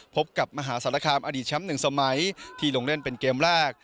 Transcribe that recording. พบกับมหาศาลคามอดีตแชมป์๑สมัยที่ลงเล่นเป็นเกมแรก